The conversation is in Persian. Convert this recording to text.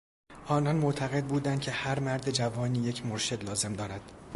آنان معتقد بودند که هر مرد جوانی یک مرشد لازم دارد.